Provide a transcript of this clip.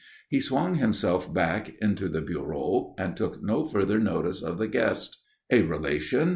He swung himself back into the bureau and took no further notice of the guest. "A relation?"